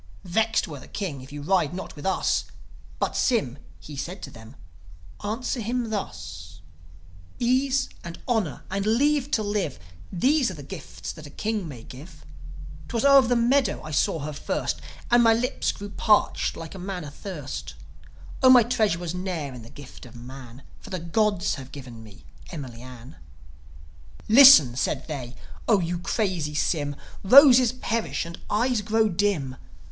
Vexed were the King if you ride not with us." But Sym, he said to them, "Answer him thus: 'Ease and honour and leave to live These are the gifts that a king may give 'Twas over the meadow I saw her first; And my lips grew parched like a man athirst Oh, my treasure was ne'er in the gift of man; For the gods have given me Emily Ann." "Listen," said they, "O you crazy Sym. Roses perish, and eyes grow dim.